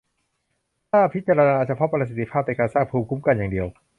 ถ้าพิจารณาเฉพาะประสิทธิภาพในการสร้างภูมิคุ้มกันอย่างเดียว